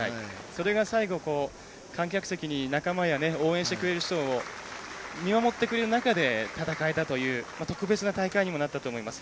これが、最後、観客席に仲間や応援席がいる中で見守ってくれる中で戦えたという特別な大会にもなったと思います。